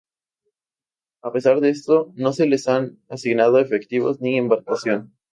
A pesar de esto, no se le han asignado efectivos ni embarcación.